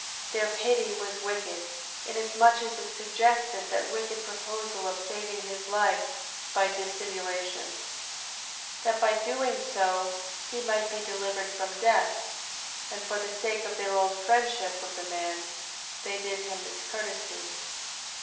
Their pity was wicked, inasmuch as it suggested that wicked proposal of saving his life by dissimulation. 6:22. That by so doing he might be delivered from death; and for the sake of their old friendship with the man, they did him this courtesy.